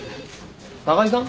高木さん？